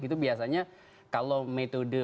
itu biasanya kalau metode